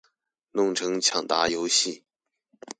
弄成搶答遊戲